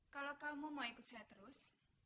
kalau kamu mau ikut saya terus